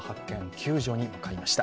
救助に向かいました。